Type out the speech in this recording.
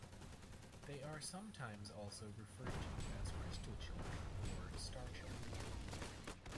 They are sometimes also referred to as crystal children or star children.